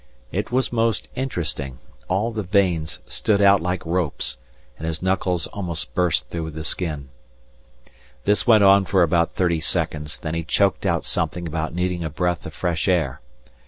It was most interesting, all the veins stood out like ropes, and his knuckles almost burst through the skin. This went on for about thirty seconds, when he choked out something about needing a breath of fresh air.